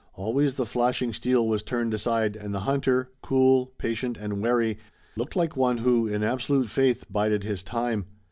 Always the flashing steel was turned aside, and the hunter, cool, patient and wary, looked like one who, in absolute faith, bided his time.